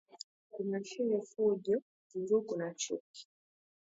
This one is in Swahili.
inaashiria fujo vurugu na chuki